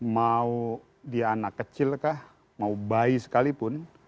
mau dia anak kecil kah mau bayi sekalipun